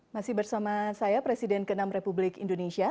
masih bersama saya presiden kenam republik indonesia